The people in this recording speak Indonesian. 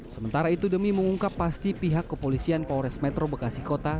sementara itu demi mengungkap pasti pihak kepolisian polres metro bekasi kota